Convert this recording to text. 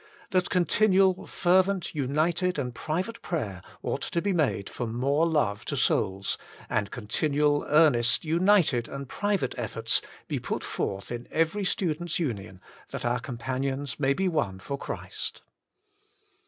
That continual, fervent, united and private prayer ought to be made for more love to souls, and continual, y^ i6o The Inner Chamber earnest, united and private efforts be put forth in every Students' Union that our companions may be won for Christ.